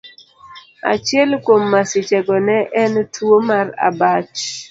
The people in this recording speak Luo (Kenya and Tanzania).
Achiel kuom masichego ne en tuwo mar abach.